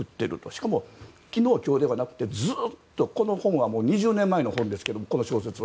しかも昨日、今日ではなくてずっと、この本は２０年前のものですけど。